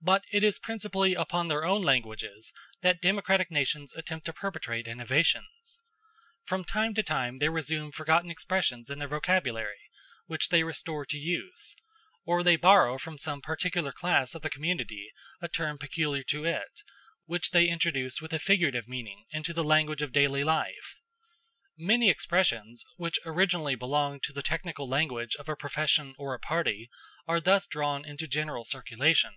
But it is principally upon their own languages that democratic nations attempt to perpetrate innovations. From time to time they resume forgotten expressions in their vocabulary, which they restore to use; or they borrow from some particular class of the community a term peculiar to it, which they introduce with a figurative meaning into the language of daily life. Many expressions which originally belonged to the technical language of a profession or a party, are thus drawn into general circulation.